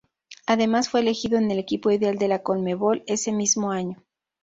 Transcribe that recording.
Además fue elegido en el equipo ideal de la Conmebol ese mismo año.